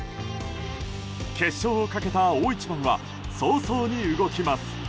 決勝をかけた大一番は早々に動きます。